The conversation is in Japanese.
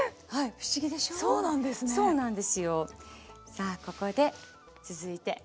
さあここで続いてディル。